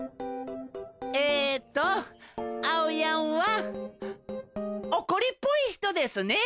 えとあおやんはおこりっぽい人ですね。